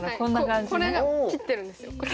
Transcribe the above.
これが切ってるんですよ。